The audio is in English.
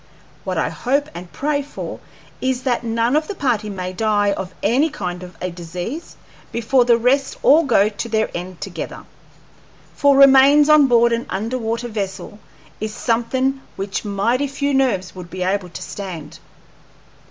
What I hope and pray for is that none of the party may die of any kind of a disease before the rest all go to their end together; for remains on board an under water vessel is somethin' which mighty few nerves would be able to stand."